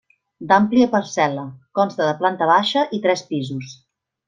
D'àmplia parcel·la, consta de planta baixa i tres pisos.